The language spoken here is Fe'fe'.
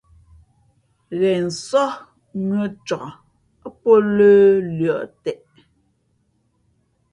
Ghen sóh mʉ̄ᾱ cak pǒ lə̌ lʉα teʼ.